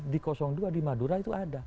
di dua di madura itu ada